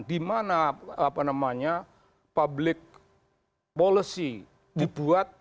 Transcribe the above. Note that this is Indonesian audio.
di mana public policy dibuat